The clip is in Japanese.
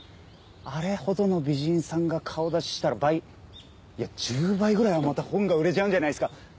あれほどの美人さんが顔出ししたら倍いや１０倍ぐらいはまた本が売れちゃうんじゃないですか？